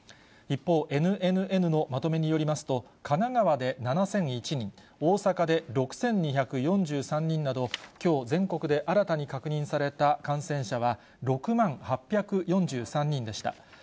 一方、ＮＮＮのまとめによりますと、神奈川で７００１人、大阪で６２４３人など、きょう、全国で新たに確認された感染者は、６万８４３人でした。